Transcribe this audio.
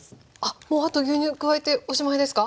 もうあと牛乳加えておしまいですか？